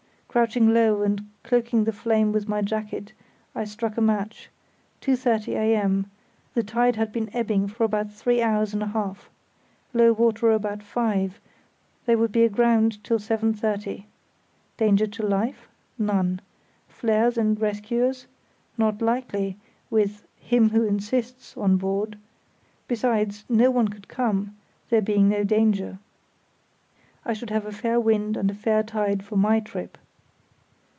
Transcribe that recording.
Crouching low and cloaking the flame with my jacket I struck a match; 2.30 a.m.—the tide had been ebbing for about three hours and a half. Low water about five; they would be aground till 7.30. Danger to life? None. Flares and rescuers? Not likely, with "him who insists" on board; besides, no one could come, there being no danger. I should have a fair wind and a fair tide for my trip.